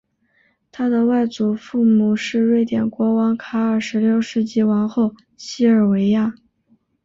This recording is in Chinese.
他的外祖父母是瑞典国王卡尔十六世及王后西尔维娅。